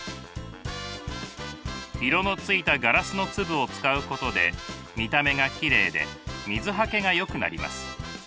色のついたガラスの粒を使うことで見た目がきれいで水はけがよくなります。